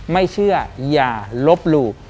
ไม่เชื่ออย่าลบหลู่